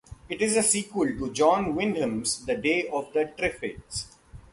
It is a sequel to John Wyndham's "The Day of the Triffids".